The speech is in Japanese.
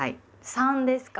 三ですか？